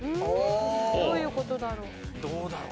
どういう事だろう？